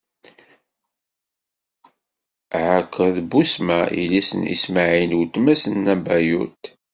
Akked Busmat, yelli-s n Ismaɛil, weltma-s n Nabayut.